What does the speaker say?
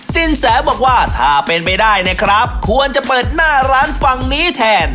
สินแสบอกว่าถ้าเป็นไปได้นะครับควรจะเปิดหน้าร้านฝั่งนี้แทน